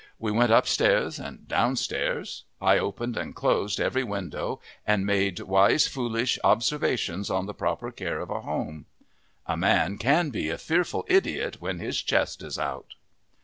We went upstairs and downstairs. I opened and closed every window and made wise foolish observations on the proper care of a home. A man can be a fearful idiot when his chest is out.